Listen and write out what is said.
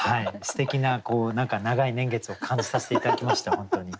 すてきな長い年月を感じさせて頂きました本当に。